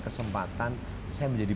kesempatan saya menjadi